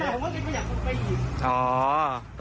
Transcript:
พี่เขาบอกพี่ไปขยับกระจก๕๖ทีเพื่อมองหน้ามองเขาเนี่ยจริงมั้ย